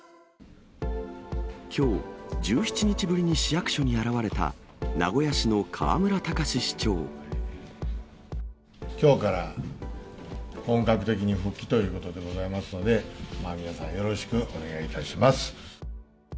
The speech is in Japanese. きょう、１７日ぶりに市役所に現れた、きょうから本格的に復帰ということでございますので、皆さん、よろしくお願いいたします。